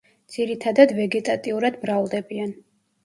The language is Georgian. ძირითადად ვეგეტატიურად მრავლდებიან.